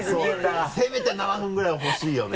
そうだねせめて７分ぐらいほしいよね。